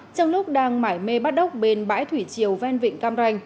trong lúc đang mải mê bắt đốc bên bãi thủy triều ven vịnh cam ranh